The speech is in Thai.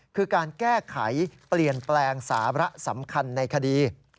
คือการแก้ไขเปลี่ยนแปลงสาระสำคัญในคดี